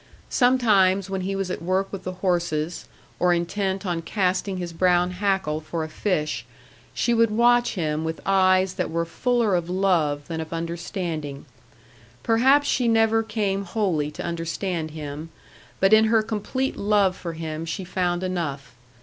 Sometimes when he was at work with their horses, or intent on casting his brown hackle for a fish, she would watch him with eyes that were fuller of love than of understanding. Perhaps she never came wholly to understand him; but in her complete love for him she found enough.